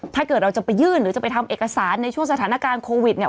ถ้าเกิดเราจะไปยื่นหรือจะไปทำเอกสารในช่วงสถานการณ์โควิดเนี่ย